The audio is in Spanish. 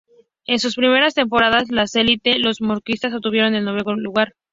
En su primera temporada en la elite, los moscovitas obtuvieron el noveno lugar.